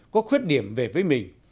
có khuyết điểm về với mình